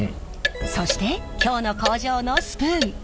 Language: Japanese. そして今日の工場のスプーン。